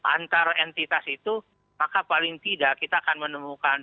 antara entitas itu maka paling tidak kita akan menemukan